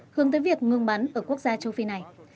hướng tới việc ngừng bắn ở quốc gia châu phi này